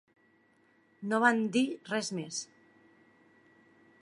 No van dir res més.